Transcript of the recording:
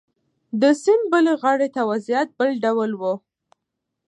د سیند بلې غاړې ته وضعیت بل ډول و.